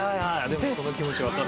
でもその気持ちわかる。